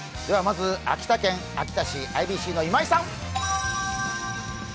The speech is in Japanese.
まずは秋田県秋田市、ＩＢＣの今井さん。